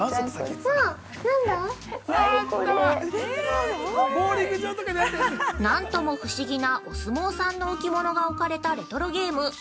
◆なんとも不思議なお相撲さんの置物が置かれたレトロゲーム。